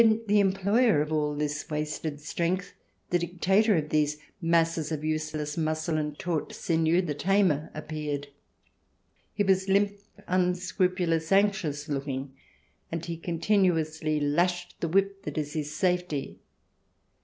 ... Then the employer of all this wasted strength, the dictator of these masses of useless muscle and taut sinew, the tamer, appeared. He was limp, unscrupulous, anxious looking, and he continuously lashed the whip that is his safety.